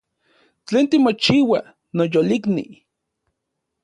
¿Tlen timochiua, noyolikni?